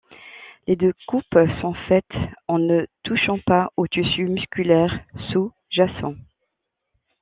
Les découpes sont faites en ne touchant pas au tissu musculaire sous-jacent.